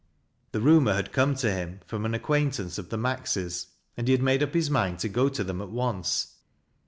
The rumor had come to him from an acquaintance of the Maxeys, and he had made up his mind to go to them ftt once.